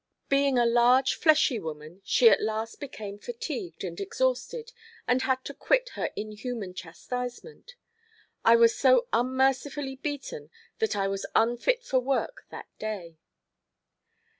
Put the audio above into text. Being a large, fleshy woman, she at last became fatigued and exhausted, and had to quit her inhuman chastisement. I was so unmercifully beaten that I was unfit for work that day.